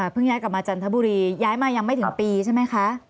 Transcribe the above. ย้ายกลับมาจันทบุรีย้ายมายังไม่ถึงปีใช่ไหมคะ